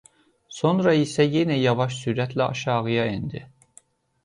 Sonra isə yenə yavaş sürətlə aşağıya endi.